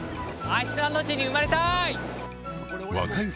アイスランド人に生まれたい！